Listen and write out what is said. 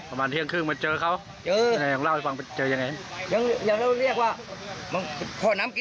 ประมาณเที่ยงครึ่งมาเจอเขายังไงอย่างเล่าให้ฟังเจอยังไง